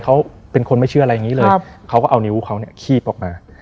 เขาก็เอานิ้วเขาเนี่ยคีบออกมา